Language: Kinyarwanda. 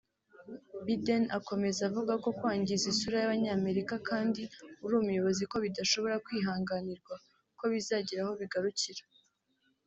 Biden akomeza avuga ko kwangiza isura y’abanyamerika kandi uri muyobozi ko bidashobora kwihanganirwa ko bizagira aho bigarukira